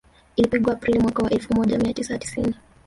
Ilipigwa Aprili mwaka wa elfu moja mia tisa tisini